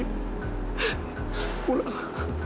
pulang ke rumah